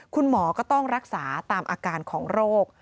คุณหมอก็ต้องรักษาตามอาการของโรค